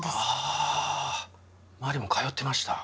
あ真理も通ってました